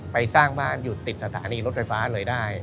สร้างบ้านอยู่ติดสถานีรถไฟฟ้าเลยได้